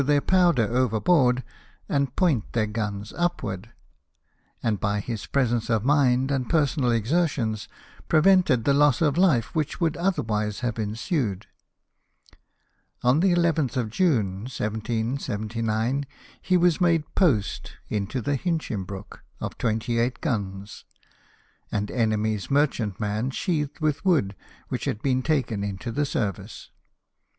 17 their powder overboard, and point their guns up ward ; and, by his presence of mind and personal exertions, prevented the loss of life which would otherwise have ensued. On the 11th of June, 1779, he was made post into the Hinchinhrooh, of 28 guns, an enemy's merchant man sheathed with wood which had been taken into the service.